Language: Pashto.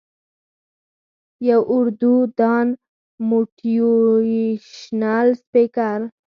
يو اردو دان موټيوېشنل سپيکر